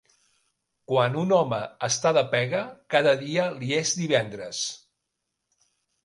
Quan un home està de pega, cada dia li és divendres.